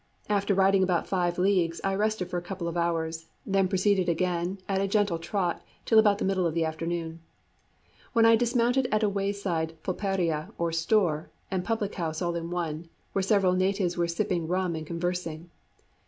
After riding about five leagues, I rested for a couple of hours, then proceeded again at a gentle trot till about the middle of the afternoon, when I dismounted at a wayside pulpería or store and public house all in one, where several natives were sipping rum and conversing.